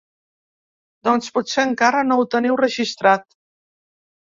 Doncs potser encara no ho teniu registrat.